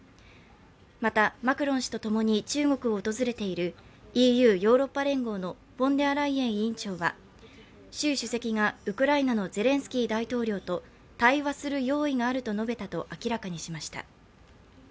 また、マクロン氏とともに中国を訪れているＥＵ＝ヨーロッパ連合のフォンデアライエン委員長は習主席がウクライナのゼレンスキー大統領と「対話する用意がある」と述べたと明らかにしました。